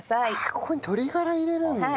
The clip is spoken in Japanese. ここに鶏がら入れるんだ。